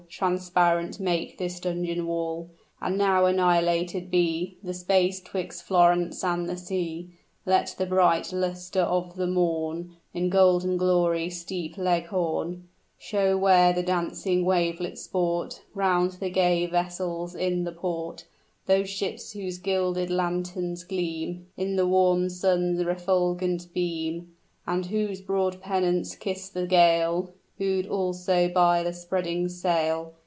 Transparent make this dungeon wall; And now annihilated be The space 'twixt Florence and the sea! Let the bright luster of the morn In golden glory steep Leghorn; Show where the dancing wavelets sport Round the gay vessels in the port, Those ships whose gilded lanterns gleam In the warm sun's refulgent beam; And whose broad pennants kiss the gale, Woo'd also by the spreading sail!